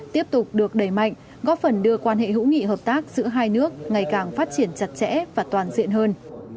tiếp tục được đẩy mạnh góp phần đưa quan hệ hữu nghị hợp tác giữa hai nước ngày càng phát triển chặt chẽ và toàn diện hơn